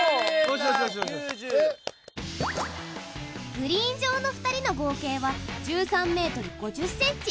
グリーン上の２人の合計は１３ｍ５０ｃｍ。